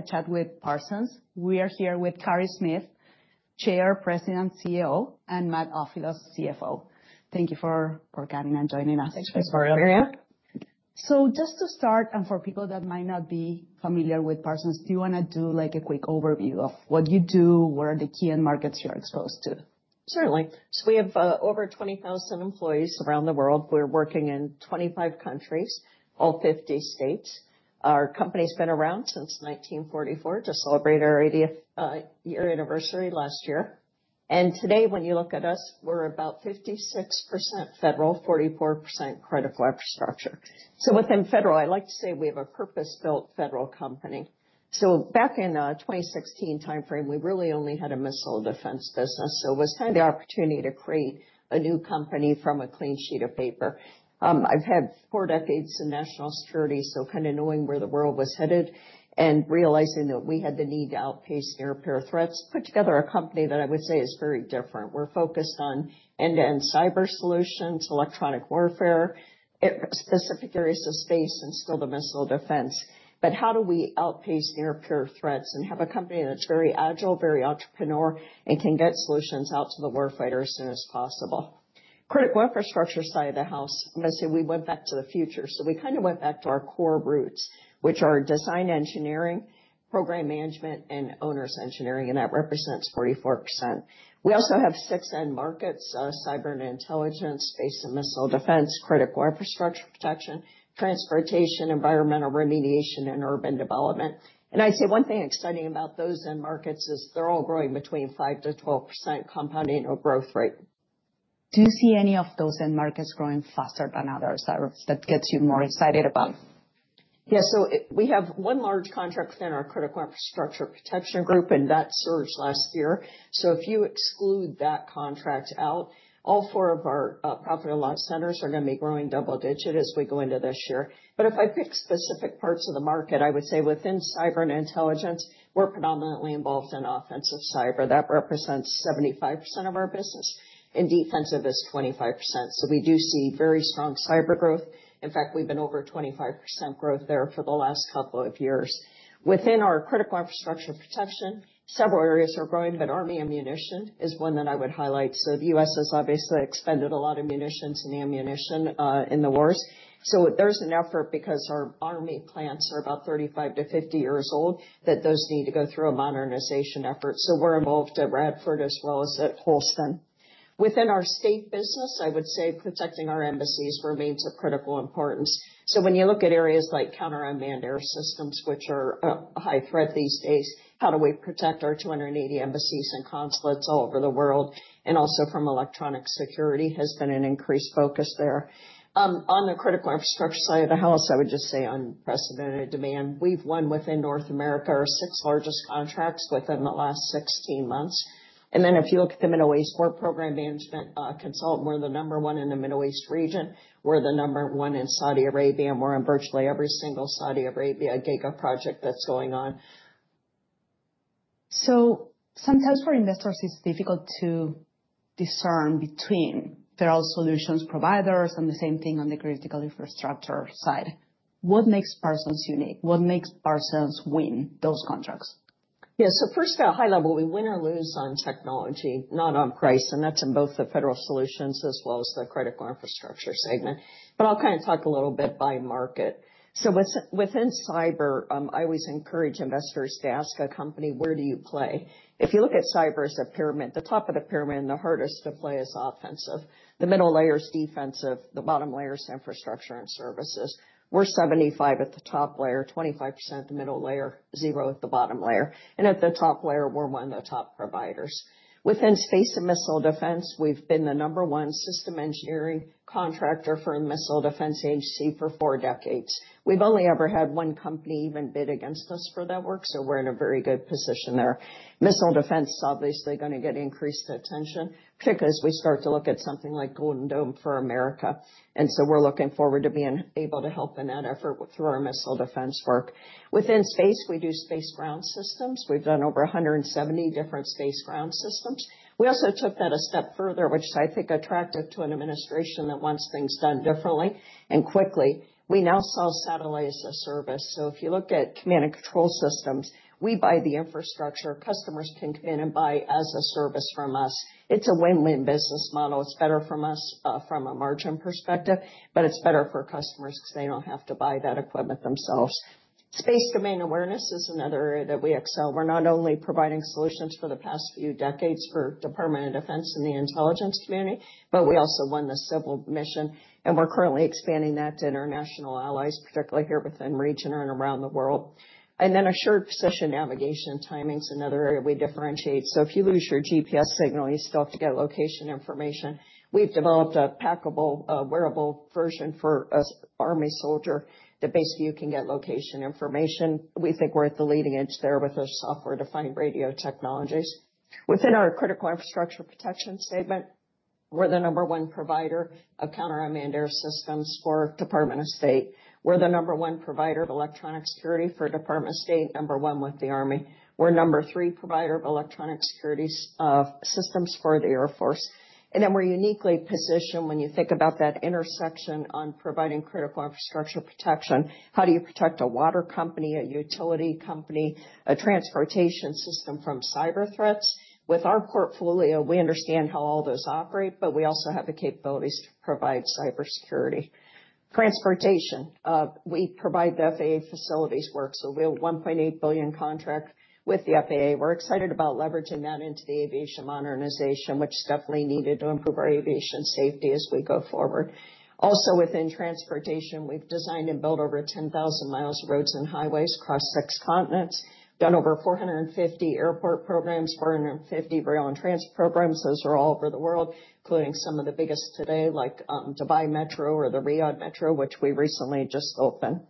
Start with Parsons. We are here with Carey Smith, Chair, President, CEO, and Matt Ofilos, CFO. Thank you for coming and joining us. Thanks, Mariana. Just to start, and for people that might not be familiar with Parsons, do you want to do like a quick overview of what you do, what are the key end markets you're exposed to? Certainly. We have over 20,000 employees around the world. We're working in 25 countries, all 50 states. Our company's been around since 1944, to celebrate our 80th year anniversary last year. Today, when you look at us, we're about 56% federal, 44% Critical Infrastructure. Within federal, I like to say we have a purpose-built federal company. Back in the 2016 timeframe, we really only had a missile defense business. It was kind of the opportunity to create a new company from a clean sheet of paper. I've had four decades in national security, so kind of knowing where the world was headed and realizing that we had the need to outpace near-peer threats, put together a company that I would say is very different. We're focused on end-to-end cyber solutions, electronic warfare, specific areas of space, and still the missile defense. How do we outpace near-peer threats and have a company that's very agile, very entrepreneurial, and can get solutions out to the warfighter as soon as possible? Critical infrastructure side of the house, I'm going to say we went back to the future. We kind of went back to our core roots, which are design engineering, program management, and owners engineering, and that represents 44%. We also have six end markets: cyber and intelligence, space and missile defense, critical infrastructure protection, transportation, environmental remediation, and urban development. I'd say one thing exciting about those end markets is they're all growing between 5%-12% compounding or growth rate. Do you see any of those end markets growing faster than others? That gets you more excited about. Yeah. We have one large contract within our critical infrastructure protection group, and that surged last year. If you exclude that contract out, all four of our profit loss centers are going to be growing double digit as we go into this year. If I pick specific parts of the market, I would say within cyber and intelligence, we're predominantly involved in offensive cyber. That represents 75% of our business, and defensive is 25%. We do see very strong cyber growth. In fact, we've been over 25% growth there for the last couple of years. Within our critical infrastructure protection, several areas are growing, but army ammunition is one that I would highlight. The U.S. has obviously expended a lot of munitions and ammunition in the wars. There is an effort because our army plants are about 35-50 years old that those need to go through a modernization effort. We are involved at Radford as well as at Holston. Within our state business, I would say protecting our embassies remains of critical importance. When you look at areas like counter unmanned air systems, which are a high threat these days, how do we protect our 280 embassies and consulates all over the world? Also, from electronic security, there has been an increased focus there. On the critical infrastructure side of the house, I would just say unprecedented demand. We have won within North America our six largest contracts within the last 16 months. If you look at the Middle East, we are program management consultant. We are the number one in the Middle East region. We are the number one in Saudi Arabia. We're on virtually every single Saudi Arabia Giga project that's going on. Sometimes for investors, it's difficult to discern between federal solutions providers and the same thing on the critical infrastructure side. What makes Parsons unique? What makes Parsons win those contracts? Yeah. First, at a high level, we win or lose on technology, not on price. That's in both the federal solutions as well as the critical infrastructure segment. I'll kind of talk a little bit by market. Within cyber, I always encourage investors to ask a company, where do you play? If you look at cyber as a pyramid, the top of the pyramid, the hardest to play, is offensive. The middle layer is defensive. The bottom layer is infrastructure and services. We're 75% at the top layer, 25% at the middle layer, zero at the bottom layer. At the top layer, we're one of the top providers. Within space and missile defense, we've been the number one system engineering contractor for a missile defense agency for four decades. We've only ever had one company even bid against us for that work. We're in a very good position there. Missile defense is obviously going to get increased attention, particularly as we start to look at something like Golden Dome for America. We are looking forward to being able to help in that effort through our missile defense work. Within space, we do space ground systems. We've done over 170 different space ground systems. We also took that a step further, which I think attracted to an administration that wants things done differently and quickly. We now sell satellites as a service. If you look at command and control systems, we buy the infrastructure. Customers can come in and buy as a service from us. It's a win-win business model. It's better for us from a margin perspective, but it's better for customers because they don't have to buy that equipment themselves. Space domain awareness is another area that we excel. We're not only providing solutions for the past few decades for Department of Defense and the intelligence community, but we also won the civil mission. We're currently expanding that to international allies, particularly here within region and around the world. Assured position navigation timing is another area we differentiate. If you lose your GPS signal, you still have to get location information. We've developed a packable, wearable version for an army soldier that basically you can get location information. We think we're at the leading edge there with our software-defined radio technologies. Within our critical infrastructure protection statement, we're the number one provider of counter unmanned air systems for Department of State. We're the number one provider of electronic security for Department of State, number one with the Army. We're number three provider of electronic security systems for the Air Force. We're uniquely positioned when you think about that intersection on providing critical infrastructure protection. How do you protect a water company, a utility company, a transportation system from cyber threats? With our portfolio, we understand how all those operate, but we also have the capabilities to provide cybersecurity. Transportation, we provide the FAA facilities work. We have a $1.8 billion contract with the FAA. We're excited about leveraging that into the aviation modernization, which is definitely needed to improve our aviation safety as we go forward. Also, within transportation, we've designed and built over 10,000 miles of roads and highways across six continents, done over 450 airport programs, 450 rail and transit programs. Those are all over the world, including some of the biggest today, like Dubai Metro or the Riyadh Metro, which we recently just opened.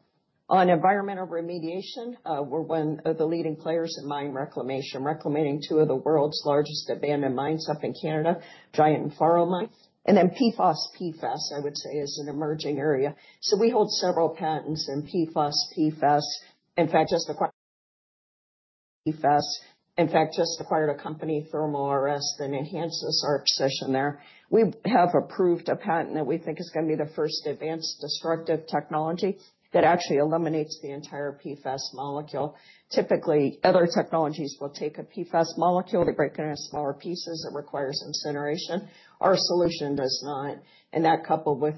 On environmental remediation, we're one of the leading players in mine reclamation, reclamating two of the world's largest abandoned mines up in Canada, Giant and Faro Mine. PFAS, PFOS, I would say, is an emerging area. We hold several patents in PFAS, PFOS. In fact, just acquired a company, Thermal RS, that enhances our position there. We have approved a patent that we think is going to be the first advanced destructive technology that actually eliminates the entire PFAS molecule. Typically, other technologies will take a PFAS molecule to break it into smaller pieces. It requires incineration. Our solution does not. That, coupled with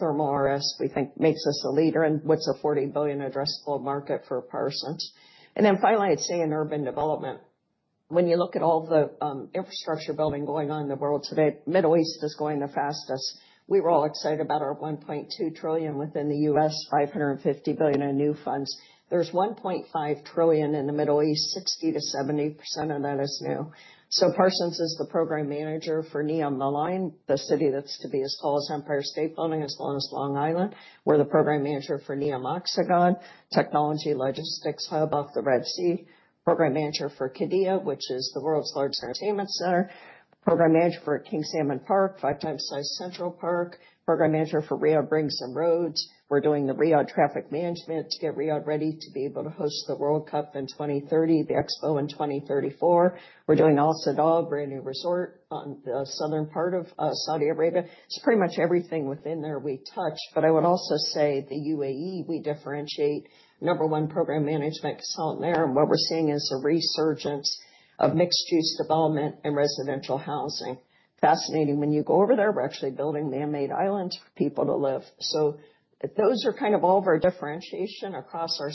Thermal RS, we think makes us a leader in what's a $40 billion addressable market for Parsons. Finally, I'd say in urban development, when you look at all the infrastructure building going on in the world today, the Middle East is going the fastest. We were all excited about our $1.2 trillion within the U.S., $550 billion in new funds. There's $1.5 trillion in the Middle East, 60%-70% of that is new. Parsons is the program manager for NEOM The LINE, the city that's to be as tall as Empire State Building as well as Long Island. We're the program manager for NEOM Oxagon, technology logistics hub off the Red Sea, program manager for Qiddiya, which is the world's largest entertainment center, program manager for King Salman Park, five times size Central Park, program manager for Riyadh Ring Road. We're doing the Riyadh traffic management to get Riyadh ready to be able to host the World Cup in 2030, the Expo in 2034. We're doing Al-Soudah, a brand new resort on the southern part of Saudi Arabia. Pretty much everything within there we touch. I would also say the UAE, we differentiate number one program management consultant there. What we're seeing is a resurgence of mixed-use development and residential housing. Fascinating. When you go over there, we're actually building manmade islands for people to live. Those are kind of all of our differentiation across our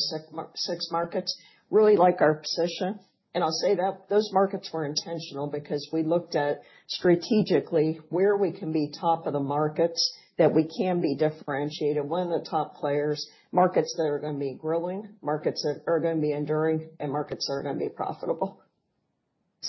six markets. Really like our position. I'll say that those markets were intentional because we looked at strategically where we can be top of the markets that we can be differentiated, one of the top players, markets that are going to be growing, markets that are going to be enduring, and markets that are going to be profitable.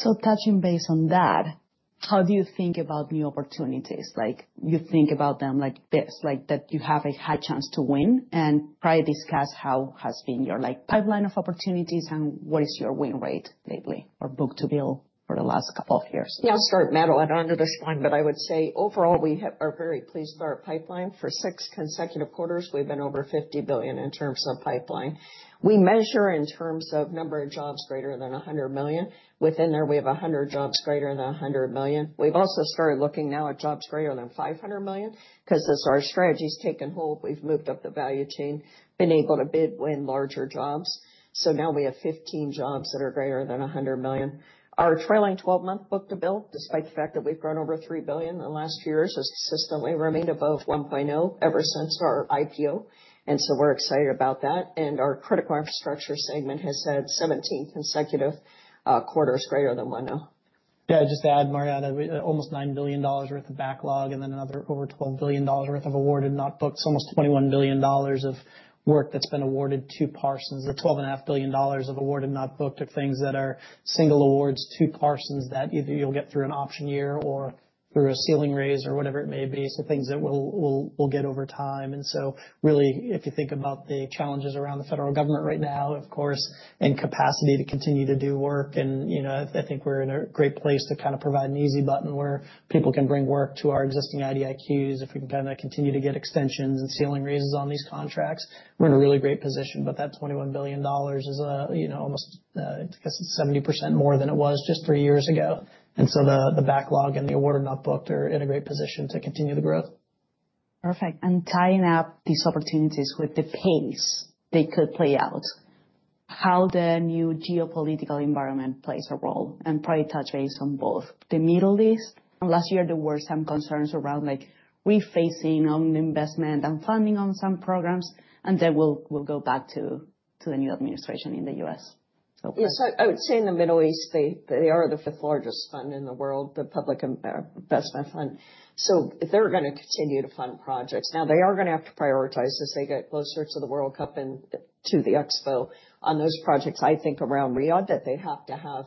Touching base on that, how do you think about new opportunities? Like, you think about them like this, like that you have a high chance to win? And probably discuss how has been your pipeline of opportunities and what is your win rate lately or book-to-bill for the last couple of years? Yeah, I'll start Matt on this one, but I would say overall we are very pleased with our pipeline. For six consecutive quarters, we've been over $50 billion in terms of pipeline. We measure in terms of number of jobs greater than $100 million. Within there, we have 100 jobs greater than $100 million. We've also started looking now at jobs greater than $500 million because as our strategy has taken hold, we've moved up the value chain, been able to bid win larger jobs. Now we have 15 jobs that are greater than $100 million. Our trailing 12-month book-to-bill, despite the fact that we've grown over $3 billion in the last few years, has consistently remained above $1.0 ever since our IPO. We're excited about that. Our critical infrastructure segment has had 17 consecutive quarters greater than $1.0. Yeah, just to add, Mariana, almost $9 billion worth of backlog and then another over $12 billion worth of awarded not booked, almost $21 billion of work that's been awarded to Parsons. The $12.5 billion of awarded not booked are things that are single awards to Parsons that either you'll get through an option year or through a ceiling raise or whatever it may be. Things that we'll get over time. If you think about the challenges around the federal government right now, of course, and capacity to continue to do work, I think we're in a great place to kind of provide an easy button where people can bring work to our existing IDIQs. If we can kind of continue to get extensions and ceiling raises on these contracts, we're in a really great position. That $21 billion is almost, I guess, 70% more than it was just three years ago. The backlog and the awarded not booked are in a great position to continue the growth. Perfect. Tying up these opportunities with the pace they could play out, how the new geopolitical environment plays a role and probably touch base on both the Middle East. Last year, there were some concerns around rephacing on investment and funding on some programs, and then we'll go back to the new administration in the U.S. Yeah, so I would say in the Middle East, they are the fifth largest fund in the world, the Public Investment Fund. They are going to continue to fund projects. Now, they are going to have to prioritize as they get closer to the World Cup and to the Expo on those projects, I think around Riyadh that they have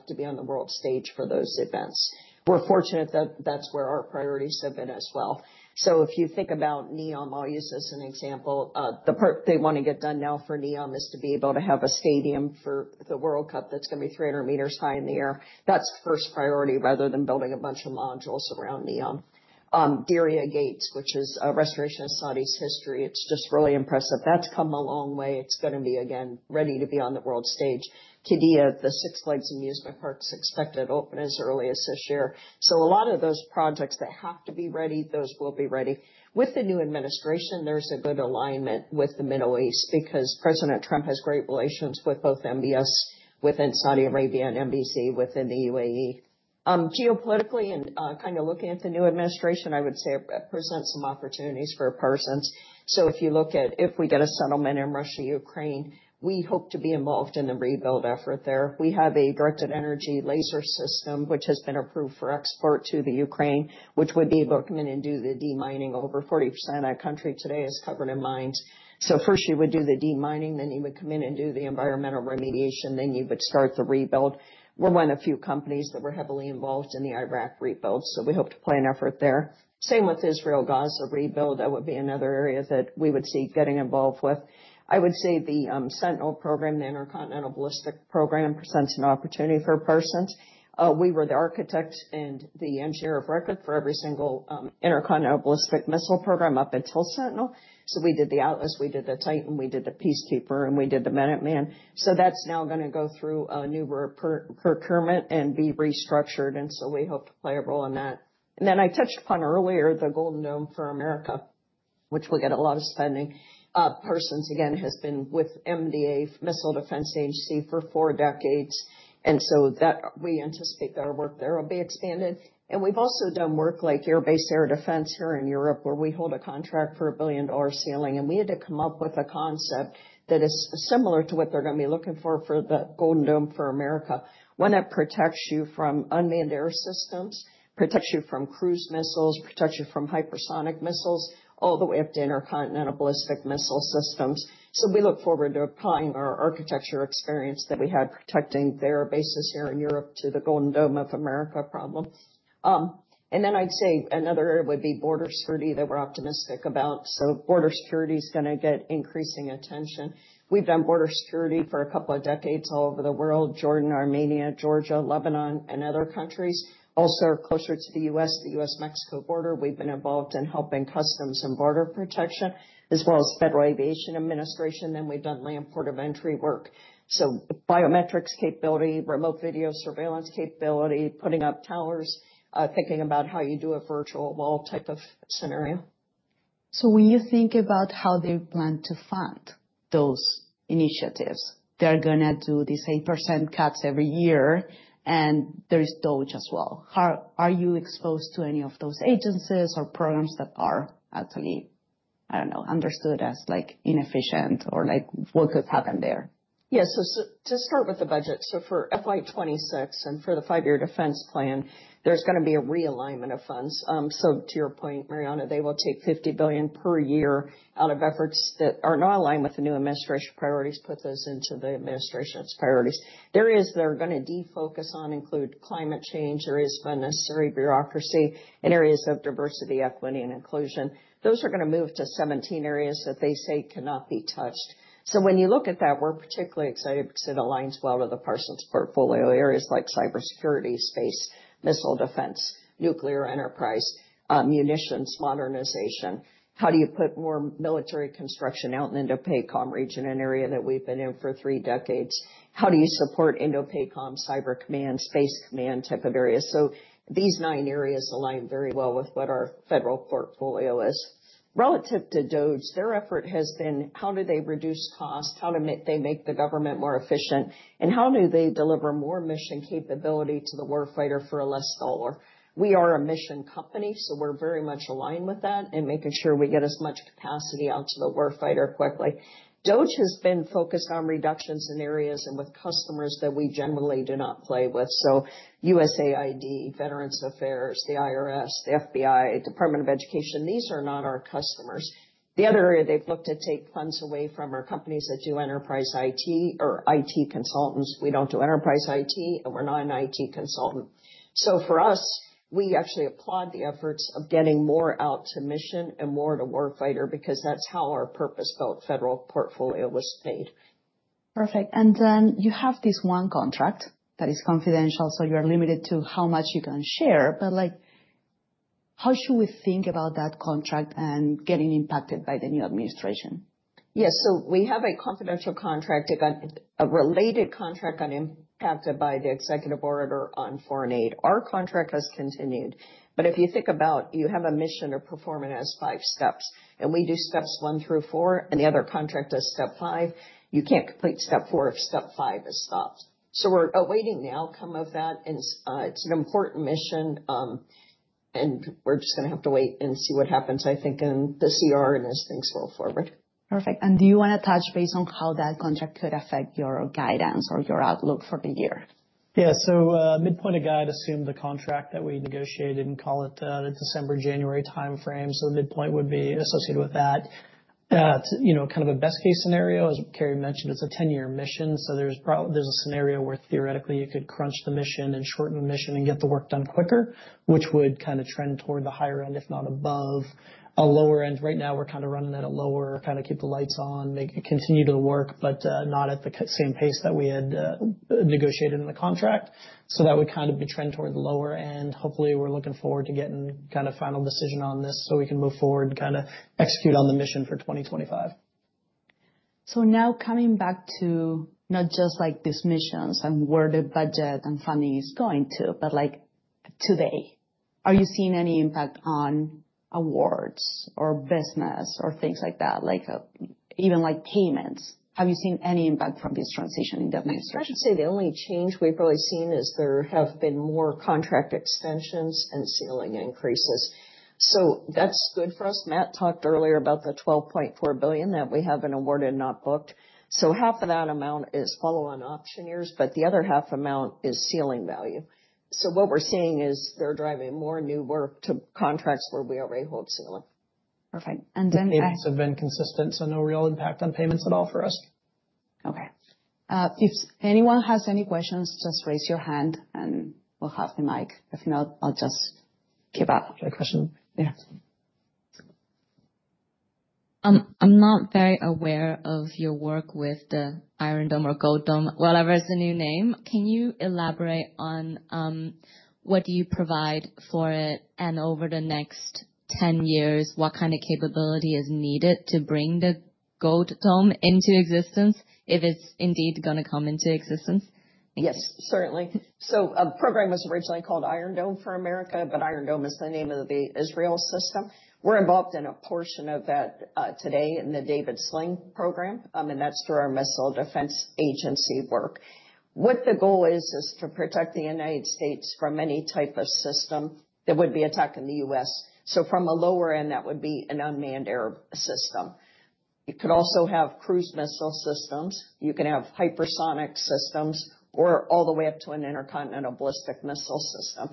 to be on the world stage for those events. We're fortunate that that's where our priorities have been as well. If you think about NEOM, I'll use this as an example. The part they want to get done now for NEOM is to be able to have a stadium for the World Cup that's going to be 300 meters high in the air. That's first priority rather than building a bunch of modules around NEOM. Diriyah Gate, which is a restoration of Saudi's history, it's just really impressive. That's come a long way. It's going to be, again, ready to be on the world stage. Qiddiya, the Six Flags Amusement Park, is expected to open as early as this year. A lot of those projects that have to be ready, those will be ready. With the new administration, there's a good alignment with the Middle East because President Trump has great relations with both MBS within Saudi Arabia and MBZ within the UAE. Geopolitically, and kind of looking at the new administration, I would say it presents some opportunities for Parsons. If you look at if we get a settlement in Russia, Ukraine, we hope to be involved in the rebuild effort there. We have a directed energy laser system, which has been approved for export to Ukraine, which would be able to come in and do the demining. Over 40% of that country today is covered in mines. First, you would do the demining, then you would come in and do the environmental remediation, then you would start the rebuild. We're one of the few companies that were heavily involved in the Iraq rebuild. We hope to play an effort there. Same with Israel-Gaza rebuild. That would be another area that we would see getting involved with. I would say the Sentinel program, the Intercontinental Ballistic Program, presents an opportunity for Parsons. We were the architect and the engineer of record for every single Intercontinental Ballistic Missile Program up until Sentinel. We did the Atlas, we did the Titan, we did the Peacekeeper, and we did the Minuteman. That's now going to go through a new procurement and be restructured. We hope to play a role in that. I touched upon earlier the Golden Dome for America, which will get a lot of spending. Parsons, again, has been with MDA, Missile Defense Agency, for four decades. We anticipate that our work there will be expanded. We've also done work like Air Base Air Defense here in Europe, where we hold a contract for a $1 billion ceiling. We had to come up with a concept that is similar to what they're going to be looking for for the Golden Dome for America, one that protects you from unmanned air systems, protects you from cruise missiles, protects you from hypersonic missiles, all the way up to intercontinental ballistic missile systems. We look forward to applying our architecture experience that we had protecting their bases here in Europe to the Golden Dome of America problem. I'd say another area would be border security that we're optimistic about. Border security is going to get increasing attention. We've done border security for a couple of decades all over the world: Jordan, Armenia, Georgia, Lebanon, and other countries. Also, closer to the U.S., the U.S.-Mexico border, we've been involved in helping Customs and Border Protection, as well as Federal Aviation Administration. We've done land port of entry work. Biometrics capability, remote video surveillance capability, putting up towers, thinking about how you do a virtual wall type of scenario. When you think about how they plan to fund those initiatives, they're going to do these 8% cuts every year, and there's DOGE as well. Are you exposed to any of those agencies or programs that are actually, I don't know, understood as inefficient or what could happen there? Yeah, to start with the budget, for FY 2026 and for the five-year defense plan, there's going to be a realignment of funds. To your point, Mariana, they will take $50 billion per year out of efforts that are not aligned with the new administration priorities and put those into the administration's priorities. Areas they're going to defocus on include climate change, areas of unnecessary bureaucracy, and areas of diversity, equity, and inclusion. Those are going to move to 17 areas that they say cannot be touched. When you look at that, we're particularly excited because it aligns well with the Parsons portfolio, areas like cybersecurity, space, missile defense, nuclear enterprise, munitions, modernization. How do you put more military construction out in the INDOPACOM region, an area that we've been in for three decades? How do you support INDOPACOM cyber command, space command type of areas? These nine areas align very well with what our federal portfolio is. Relative to DOGE, their effort has been how do they reduce cost, how do they make the government more efficient, and how do they deliver more mission capability to the warfighter for a less dollar? We are a mission company, so we're very much aligned with that and making sure we get as much capacity out to the warfighter quickly. DOGE has been focused on reductions in areas and with customers that we generally do not play with. USAID, Veterans Affairs, the IRS, the FBI, Department of Education, these are not our customers. The other area they've looked to take funds away from are companies that do enterprise IT or IT consultants. We don't do enterprise IT, and we're not an IT consultant. For us, we actually applaud the efforts of getting more out to mission and more to warfighter because that's how our purpose-built federal portfolio was made. Perfect. You have this one contract that is confidential, so you are limited to how much you can share. How should we think about that contract and getting impacted by the new administration? Yes, so we have a confidential contract, a related contract, got impacted by the executive order on foreign aid. Our contract has continued. If you think about, you have a mission or performance as five steps, and we do steps one through four, and the other contract does step five. You can't complete step four if step five is stopped. We are awaiting the outcome of that. It's an important mission, and we're just going to have to wait and see what happens, I think, in the CR and as things roll forward. Perfect. Do you want to touch base on how that contract could affect your guidance or your outlook for the year? Yeah, so midpoint of guide, assume the contract that we negotiated and call it a December, January timeframe. The midpoint would be associated with that. Kind of a best-case scenario, as Carey mentioned, it's a 10-year mission. There is a scenario where theoretically you could crunch the mission and shorten the mission and get the work done quicker, which would kind of trend toward the higher end, if not above a lower end. Right now, we're kind of running at a lower, kind of keep the lights on, continue to work, but not at the same pace that we had negotiated in the contract. That would kind of be trend toward the lower end. Hopefully, we're looking forward to getting kind of final decision on this so we can move forward and kind of execute on the mission for 2025. Now coming back to not just these missions and where the budget and funding is going to, but today, are you seeing any impact on awards or business or things like that, even like payments? Have you seen any impact from this transition in the administration? I'd say the only change we've really seen is there have been more contract extensions and ceiling increases. That's good for us. Matt talked earlier about the $12.4 billion that we have in awarded not booked. Half of that amount is follow-on option years, but the other half amount is ceiling value. What we're seeing is they're driving more new work to contracts where we already hold ceiling. Perfect. Then. Payments have been consistent. No real impact on payments at all for us. Okay. If anyone has any questions, just raise your hand and we'll have the mic. If not, I'll just keep up. Question? Yeah. I'm not very aware of your work with the Iron Dome or Gold Dome, whatever is the new name. Can you elaborate on what do you provide for it? Over the next 10 years, what kind of capability is needed to bring the Gold Dome into existence if it's indeed going to come into existence? Yes, certainly. The program was originally called Iron Dome for America, but Iron Dome is the name of the Israel system. We're involved in a portion of that today in the David's Sling program, and that's through our Missile Defense Agency work. What the goal is, is to protect the United States from any type of system that would be attacking the U.S. From a lower end, that would be an unmanned air system. You could also have cruise missile systems. You can have hypersonic systems or all the way up to an intercontinental ballistic missile system.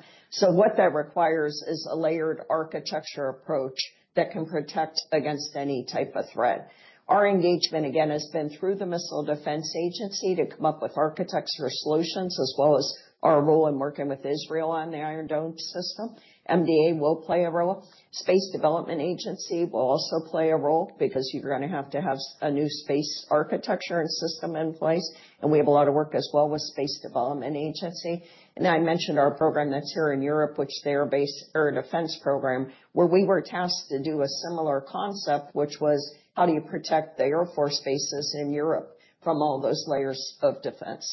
What that requires is a layered architecture approach that can protect against any type of threat. Our engagement, again, has been through the Missile Defense Agency to come up with architecture solutions, as well as our role in working with Israel on the Iron Dome system. MDA will play a role. Space Development Agency will also play a role because you're going to have to have a new space architecture and system in place. We have a lot of work as well with Space Development Agency. I mentioned our program that's here in Europe, which they are based, Air Defense Program, where we were tasked to do a similar concept, which was how do you protect the Air Force bases in Europe from all those layers of defense.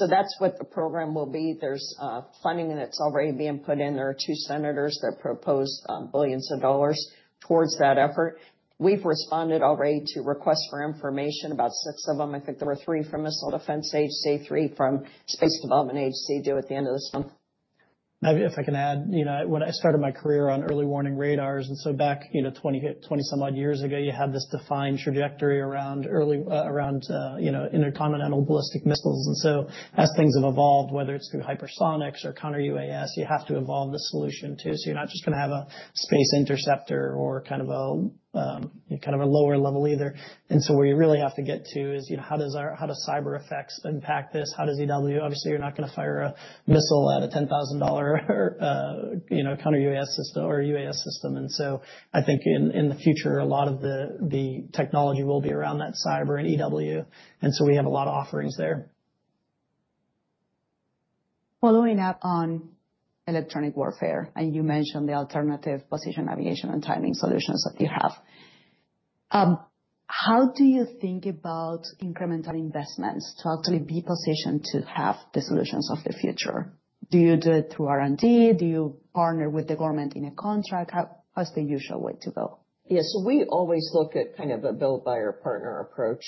That is what the program will be. There's funding that's already being put in. There are two senators that proposed billions of dollars towards that effort. We've responded already to requests for information, about six of them. I think there were three from Missile Defense Agency, three from Space Development Agency due at the end of this month. If I can add, you know when I started my career on early warning radars, and so back 20-some odd years ago, you had this defined trajectory around intercontinental ballistic missiles. As things have evolved, whether it's through hypersonics or counter-UAS, you have to evolve the solution too. You're not just going to have a space interceptor or kind of a lower level either. Where you really have to get to is how does cyber effects impact this? How does EW? Obviously, you're not going to fire a missile at a $10,000 counter-UAS system or UAS system. I think in the future, a lot of the technology will be around that cyber and EW. We have a lot of offerings there. Following up on electronic warfare, and you mentioned the alternative position aviation and timing solutions that you have. How do you think about incremental investments to actually be positioned to have the solutions of the future? Do you do it through R&D? Do you partner with the government in a contract? How's the usual way to go? Yes, we always look at kind of a build-by-your-partner approach.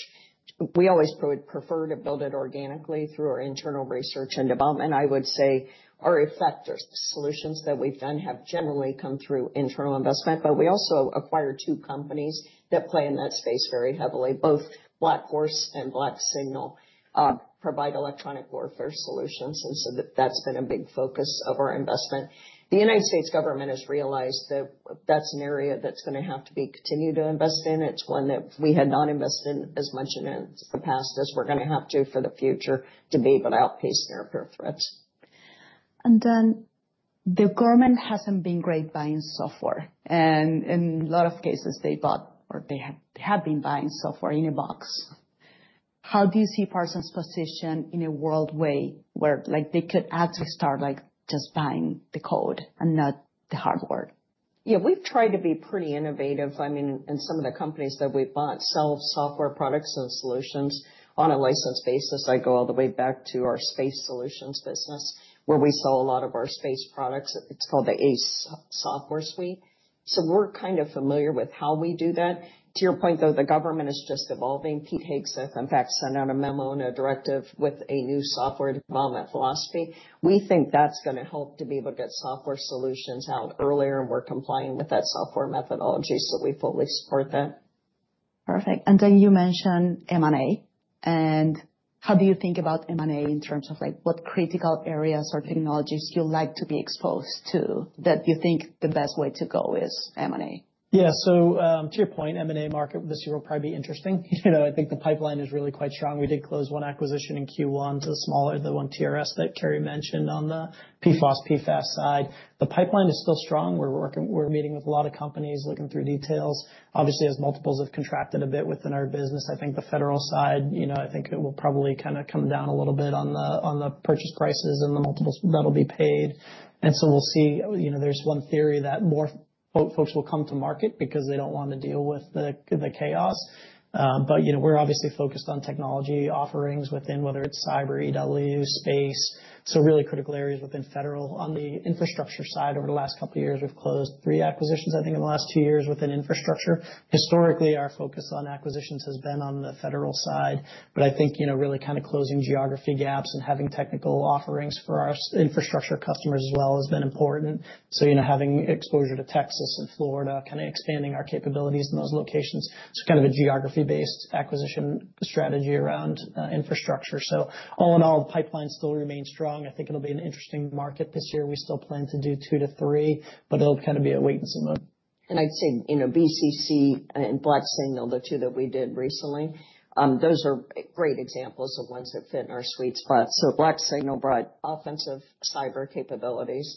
We always would prefer to build it organically through our internal research and development. I would say our effective solutions that we've done have generally come through internal investment, but we also acquired two companies that play in that space very heavily. Both BlackHorse and BlackSignal provide electronic warfare solutions. That has been a big focus of our investment. The United States government has realized that that's an area that's going to have to be continued to invest in. It's one that we had not invested in as much in the past as we're going to have to for the future to be able to outpace near-peer threats. The government hasn't been great buying software. In a lot of cases, they bought or they have been buying software in a box. How do you see Parsons position in a world where they could actually start just buying the code and not the hardware? Yeah, we've tried to be pretty innovative. I mean, in some of the companies that we've bought, sell software products and solutions on a license basis. I go all the way back to our space solutions business, where we sell a lot of our space products. It's called the ACE Software Suite. So we're kind of familiar with how we do that. To your point, though, the government is just evolving. Pete Hegseth, in fact, sent out a memo and a directive with a new software development philosophy. We think that's going to help to be able to get software solutions out earlier, and we're complying with that software methodology, so we fully support that. Perfect. You mentioned M&A. How do you think about M&A in terms of what critical areas or technologies you'd like to be exposed to that you think the best way to go is M&A? Yeah, so to your point, M&A market this year will probably be interesting. I think the pipeline is really quite strong. We did close one acquisition in Q1, the smaller, the one TRS that Carey mentioned on the PFAS side. The pipeline is still strong. We're meeting with a lot of companies, looking through details. Obviously, as multiples have contracted a bit within our business, I think the federal side, I think it will probably kind of come down a little bit on the purchase prices and the multiples that'll be paid. We'll see. There's one theory that more folks will come to market because they don't want to deal with the chaos. We're obviously focused on technology offerings within, whether it's cyber, EW, space. Really critical areas within federal. On the infrastructure side, over the last couple of years, we've closed three acquisitions, I think, in the last two years within infrastructure. Historically, our focus on acquisitions has been on the federal side. I think really kind of closing geography gaps and having technical offerings for our infrastructure customers as well has been important. Having exposure to Texas and Florida, kind of expanding our capabilities in those locations. Kind of a geography-based acquisition strategy around infrastructure. All in all, the pipeline still remains strong. I think it'll be an interesting market this year. We still plan to do two to three, but it'll kind of be a wait-and-see mode. I’d say BCC and BlackSignal, the two that we did recently, those are great examples of ones that fit in our sweet spots. BlackSignal brought offensive cyber capabilities,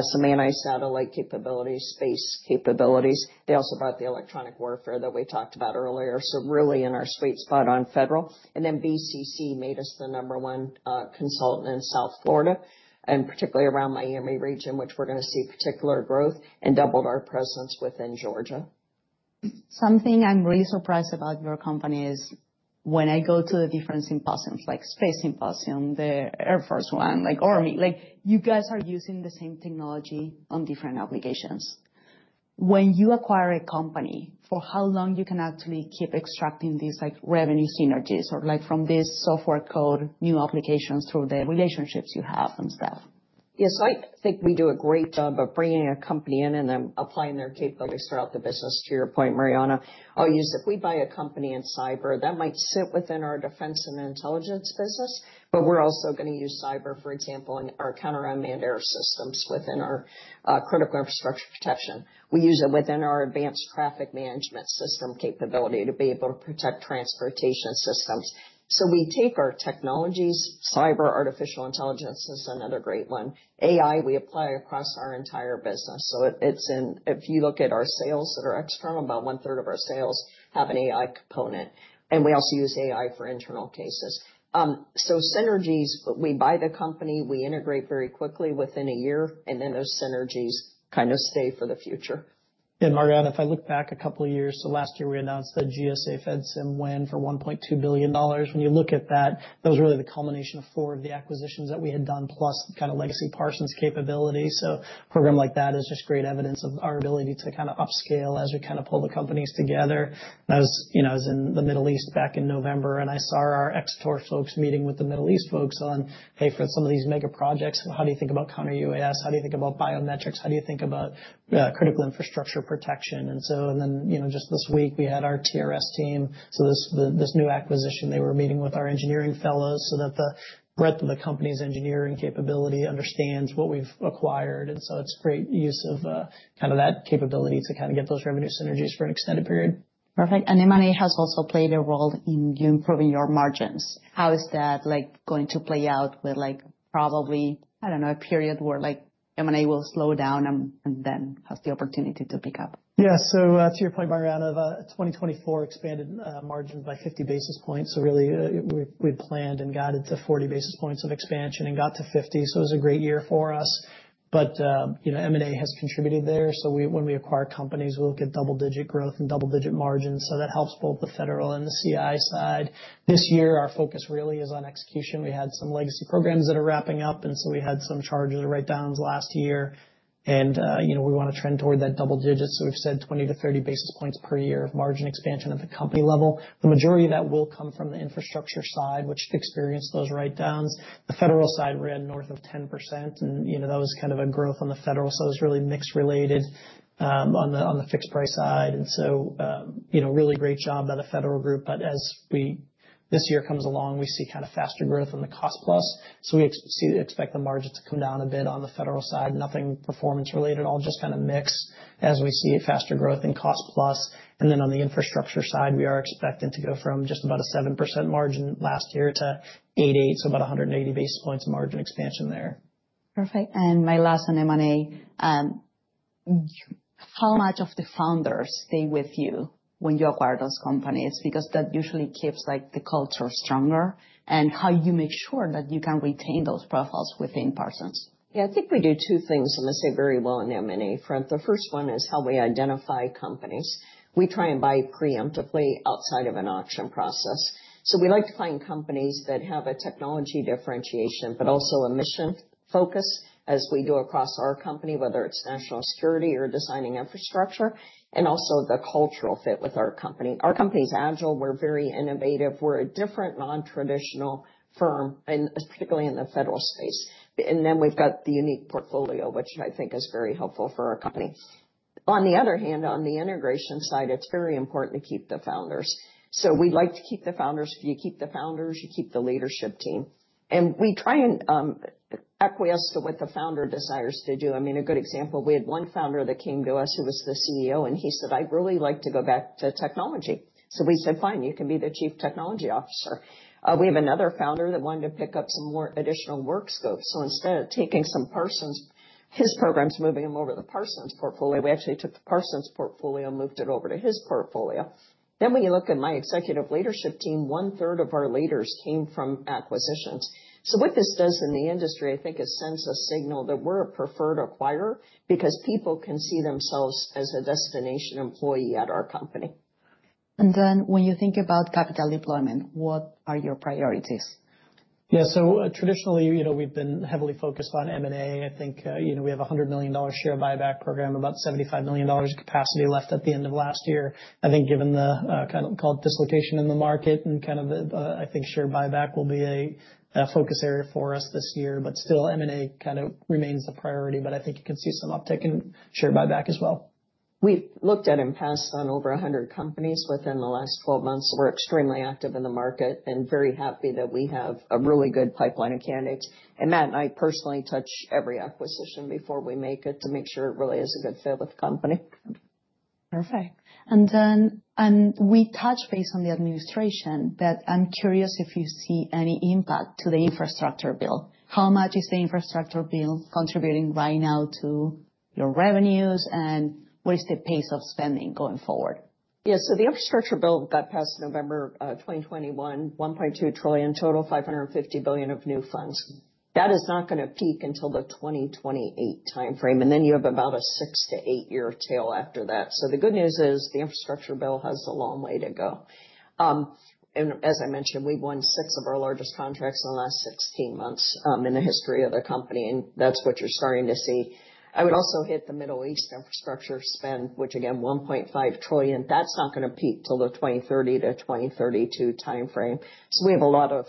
some anti-satellite capabilities, space capabilities. They also brought the electronic warfare that we talked about earlier. Really in our sweet spot on federal. BCC made us the number one consultant in South Florida, and particularly around the Miami region, which we’re going to see particular growth, and doubled our presence within Georgia. Something I'm really surprised about your company is when I go to the different symposiums, like Space Symposium, the Air Force One, like Army, you guys are using the same technology on different applications. When you acquire a company, for how long you can actually keep extracting these revenue synergies or from this software code, new applications through the relationships you have and stuff? Yes, I think we do a great job of bringing a company in and then applying their capabilities throughout the business. To your point, Mariana, I'll use if we buy a company in cyber, that might sit within our defense and intelligence business, but we're also going to use cyber, for example, in our counter unmanned air systems within our critical infrastructure protection. We use it within our advanced traffic management system capability to be able to protect transportation systems. We take our technologies, cyber, artificial intelligence is another great one. AI, we apply across our entire business. If you look at our sales that are external, about one-third of our sales have an AI component. We also use AI for internal cases. Synergies, we buy the company, we integrate very quickly within a year, and then those synergies kind of stay for the future. Mariana, if I look back a couple of years, last year we announced that GSA FEDSIM went for $1.2 billion. When you look at that, that was really the culmination of four of the acquisitions that we had done, plus kind of legacy Parsons capability. A program like that is just great evidence of our ability to kind of upscale as we kind of pull the companies together. I was in the Middle East back in November, and I saw our Xator folks meeting with the Middle East folks on, "Hey, for some of these mega projects, how do you think about counter UAS? How do you think about biometrics? How do you think about critical infrastructure protection?" Just this week, we had our TRS team. This new acquisition, they were meeting with our engineering fellows so that the breadth of the company's engineering capability understands what we've acquired. It is a great use of kind of that capability to kind of get those revenue synergies for an extended period. Perfect. M&A has also played a role in you improving your margins. How is that going to play out with probably, I don't know, a period where M&A will slow down and then has the opportunity to pick up? Yeah, so to your point, Mariana, the 2024 expanded margins by 50 basis points. Really, we'd planned and got it to 40 basis points of expansion and got to 50. It was a great year for us. M&A has contributed there. When we acquire companies, we'll get double-digit growth and double-digit margins. That helps both the federal and the CI side. This year, our focus really is on execution. We had some legacy programs that are wrapping up, so we had some charges or write-downs last year. We want to trend toward that double digit. We've said 20-30 basis points per year of margin expansion at the company level. The majority of that will come from the infrastructure side, which experienced those write-downs. The federal side, we're at north of 10%. That was kind of a growth on the federal. It was really mixed related on the fixed price side. Really great job by the federal group. As this year comes along, we see kind of faster growth on the Cost Plus. We expect the margin to come down a bit on the federal side. Nothing performance related, all just kind of mix as we see faster growth in Cost Plus. On the infrastructure side, we are expecting to go from just about a 7% margin last year to 8.8%, so about 180 basis points of margin expansion there. Perfect. My last on M&A, how much of the founders stay with you when you acquire those companies? That usually keeps the culture stronger. How do you make sure that you can retain those profiles within Parsons? Yeah, I think we do two things on the, say, very well on the M&A front. The first one is how we identify companies. We try and buy preemptively outside of an auction process. We like to find companies that have a technology differentiation, but also a mission focus, as we do across our company, whether it's national security or designing infrastructure, and also the cultural fit with our company. Our company is agile. We're very innovative. We're a different non-traditional firm, particularly in the federal space. We have the unique portfolio, which I think is very helpful for our company. On the other hand, on the integration side, it's very important to keep the founders. We like to keep the founders. If you keep the founders, you keep the leadership team. We try and acquiesce to what the founder desires to do. I mean, a good example, we had one founder that came to us who was the CEO, and he said, "I'd really like to go back to technology." We said, "Fine, you can be the Chief Technology Officer." We have another founder that wanted to pick up some more additional work scope. Instead of taking some Parsons programs, moving them over to the Parsons portfolio, we actually took the Parsons portfolio and moved it over to his portfolio. When you look at my executive leadership team, one-third of our leaders came from acquisitions. What this does in the industry, I think, is sends a signal that we're a preferred acquirer because people can see themselves as a destination employee at our company. When you think about capital deployment, what are your priorities? Yeah, so traditionally, we've been heavily focused on M&A. I think we have a $100 million share buyback program, about $75 million capacity left at the end of last year. I think given the kind of called dislocation in the market and kind of the, I think share buyback will be a focus area for us this year, but still M&A kind of remains a priority. I think you can see some uptick in share buyback as well. We've looked at and passed on over 100 companies within the last 12 months. We are extremely active in the market and very happy that we have a really good pipeline of candidates. Matt and I personally touch every acquisition before we make it to make sure it really is a good fit with the company. Perfect. We touched based on the administration, but I'm curious if you see any impact to the infrastructure bill. How much is the infrastructure bill contributing right now to your revenues and what is the pace of spending going forward? Yeah, so the infrastructure bill got passed in November 2021, $1.2 trillion, total $550 billion of new funds. That is not going to peak until the 2028 timeframe. You have about a six- to eight-year tail after that. The good news is the infrastructure bill has a long way to go. As I mentioned, we've won six of our largest contracts in the last 16 months in the history of the company. That's what you're starting to see. I would also hit the Middle East infrastructure spend, which again, $1.5 trillion. That's not going to peak till the 2030-2032 timeframe. We have a lot of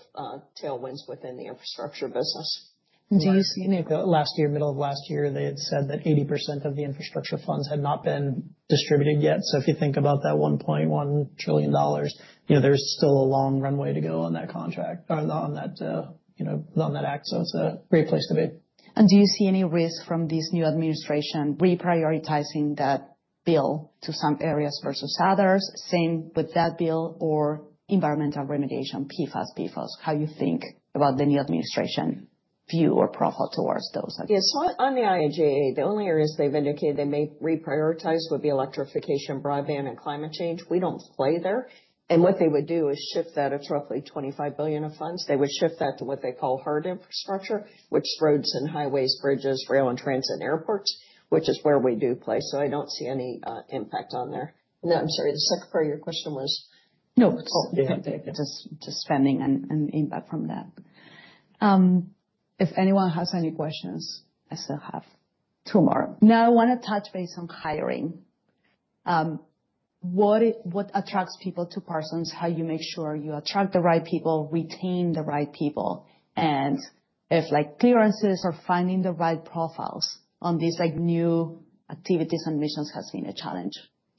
tailwinds within the infrastructure business. Do you see any of the last year, middle of last year, they had said that 80% of the infrastructure funds had not been distributed yet. If you think about that $1.1 trillion, there's still a long runway to go on that contract or on that act. It's a great place to be. Do you see any risk from this new administration reprioritizing that bill to some areas versus others? Same with that bill or environmental remediation, PFAS, PFOS, how you think about the new administration view or profile towards those? Yeah, so on the IAJA, the only areas they've indicated they may reprioritize would be electrification, broadband, and climate change. We don't play there. What they would do is shift that. It's roughly $25 billion of funds. They would shift that to what they call hard infrastructure, which is roads and highways, bridges, rail and transit, and airports, which is where we do play. I don't see any impact on there. No, I'm sorry, the second part of your question was? No, just spending and impact from that. If anyone has any questions, I still have tomorrow. Now I want to touch base on hiring. What attracts people to Parsons, how you make sure you attract the right people, retain the right people, and if clearances or finding the right profiles on these new activities and missions has been a challenge?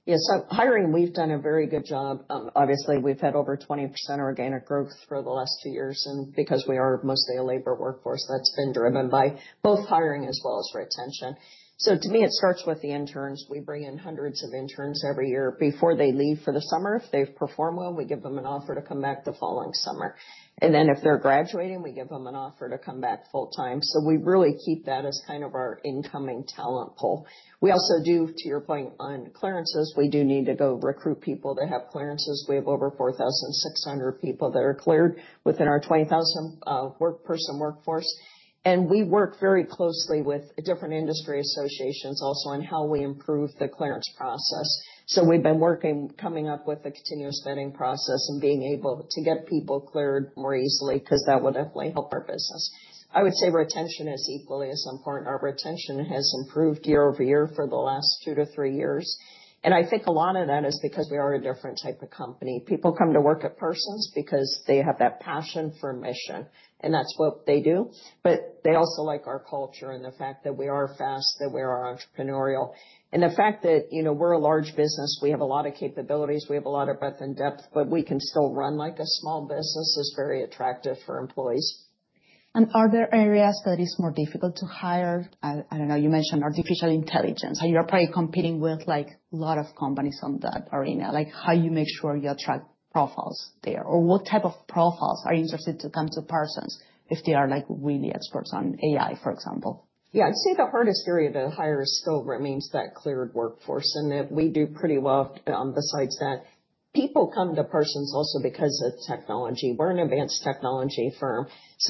Yeah, so hiring, we've done a very good job. Obviously, we've had over 20% organic growth for the last two years. Because we are mostly a labor workforce, that's been driven by both hiring as well as retention. To me, it starts with the interns. We bring in hundreds of interns every year. Before they leave for the summer, if they've performed well, we give them an offer to come back the following summer. If they're graduating, we give them an offer to come back full-time. We really keep that as kind of our incoming talent pool. We also do, to your point on clearances, we do need to go recruit people that have clearances. We have over 4,600 people that are cleared within our 20,000 work person workforce. We work very closely with different industry associations also on how we improve the clearance process. We have been working coming up with a continuous vetting process and being able to get people cleared more easily because that would definitely help our business. I would say retention is equally as important. Our retention has improved year-over-year for the last two to three years. I think a lot of that is because we are a different type of company. People come to work at Parsons because they have that passion for mission, and that's what they do. They also like our culture and the fact that we are fast, that we are entrepreneurial. The fact that we're a large business, we have a lot of capabilities, we have a lot of breadth and depth, but we can still run like a small business is very attractive for employees. Are there areas that it is more difficult to hire? I don't know, you mentioned artificial intelligence. You're probably competing with a lot of companies on that arena. How do you make sure you attract profiles there or what type of profiles are interested to come to Parsons if they are really experts on AI, for example? Yeah, I'd say the hardest area to hire still remains that cleared workforce. We do pretty well besides that. People come to Parsons also because of technology. We're an advanced technology firm.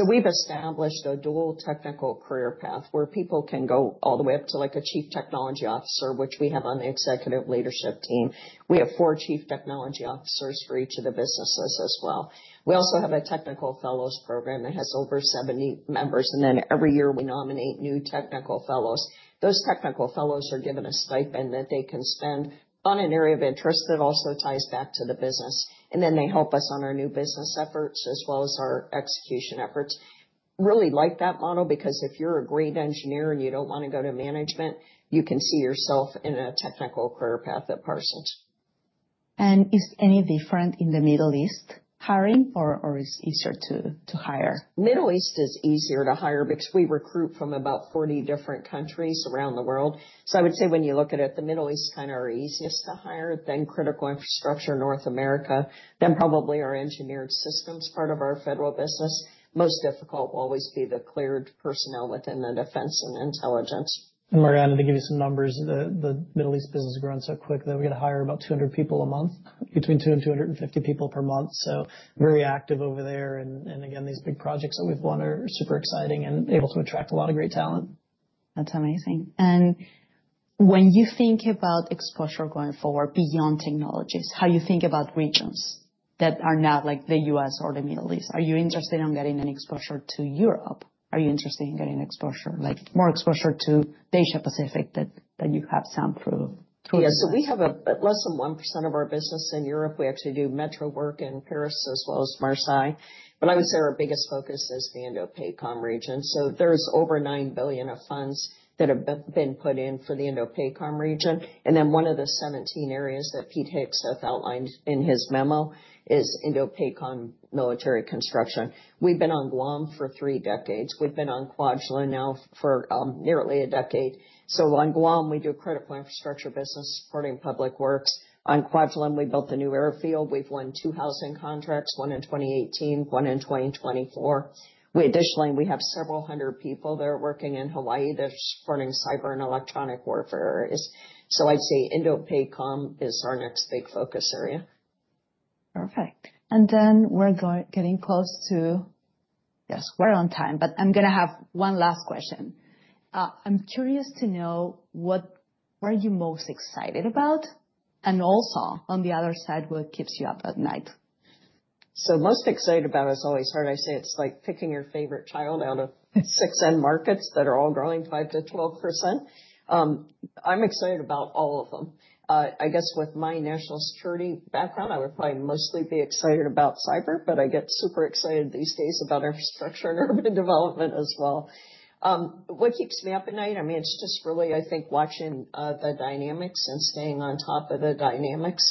We've established a dual technical career path where people can go all the way up to a chief technology officer, which we have on the executive leadership team. We have four Chief Technology Officers for each of the businesses as well. We also have a technical fellows program that has over 70 members. Every year we nominate new technical fellows. Those technical fellows are given a stipend that they can spend on an area of interest that also ties back to the business. They help us on our new business efforts as well as our execution efforts. Really like that model because if you're a great engineer and you don't want to go to management, you can see yourself in a technical career path at Parsons. Is any different in the Middle East hiring or is it easier to hire? Middle East is easier to hire because we recruit from about 40 different countries around the world. I would say when you look at it, the Middle East kind of are easiest to hire than critical infrastructure, North America, then probably our engineered systems part of our federal business. Most difficult will always be the cleared personnel within the defense and intelligence. Mariana, to give you some numbers, the Middle East business has grown so quick that we get to hire about 200 people a month, between 200 and 250 people per month. Very active over there. Again, these big projects that we've won are super exciting and able to attract a lot of great talent. That's amazing. When you think about exposure going forward beyond technologies, how do you think about regions that are not like the U.S. or the Middle East? Are you interested in getting an exposure to Europe? Are you interested in getting exposure, more exposure to Asia Pacific that you have some through? Yeah, so we have less than 1% of our business in Europe. We actually do metro work in Paris as well as Marseille. I would say our biggest focus is the INDOPACOM region. There is over $9 billion of funds that have been put in for the INDOPACOM region. One of the 17 areas that Pete Hegseth has outlined in his memo is INDOPACOM military construction. We've been on Guam for three decades. We've been on Kwajalein now for nearly a decade. On Guam, we do a critical infrastructure business supporting public works. On Kwajalein, we built a new airfield. We've won two housing contracts, one in 2018, one in 2024. Additionally, we have several hundred people there working in Hawaii that are supporting cyber and electronic warfare. I'd say INDOPACOM is our next big focus area. Perfect. We're getting close to, yes, we're on time, but I'm going to have one last question. I'm curious to know what are you most excited about? Also, on the other side, what keeps you up at night? Most excited about, as always, I say it's like picking your favorite child out of six end markets that are all growing 5%-12%. I'm excited about all of them. I guess with my national security background, I would probably mostly be excited about cyber, but I get super excited these days about infrastructure and urban development as well. What keeps me up at night? I mean, it's just really, I think, watching the dynamics and staying on top of the dynamics,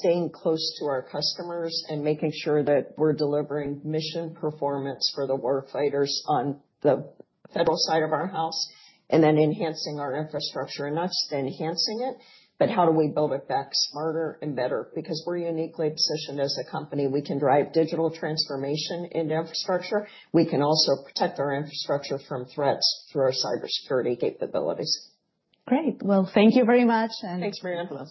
staying close to our customers and making sure that we're delivering mission performance for the warfighters on the federal side of our house, and then enhancing our infrastructure. And not just enhancing it, but how do we build it back smarter and better? Because we're uniquely positioned as a company. We can drive digital transformation into infrastructure. We can also protect our infrastructure from threats through our cybersecurity capabilities. Great. Thank you very much. Thanks, Mariana.